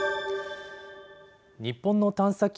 日本の探査機